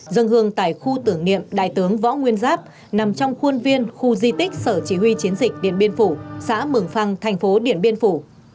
dân hương tại khu tưởng niệm đại tướng võ nguyên giáp nằm trong khuôn viên khu di tích sở chỉ huy chiến dịch điện biên phủ xã mường phăng thành phố điện biên phủ